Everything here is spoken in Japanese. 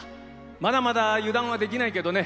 まだまだ油断はできないけどね